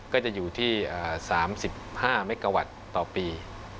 ก็จะอยู่ที่๓๕เมกาวัตต์ต่อปี